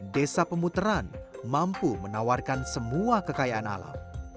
desa pemuteran mampu menawarkan semua kekayaan alam